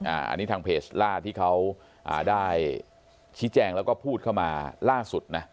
อันนี้ทางเพจล่าที่เขาได้ชี้แจงแล้วก็พูดเข้ามาล่าสุดนะ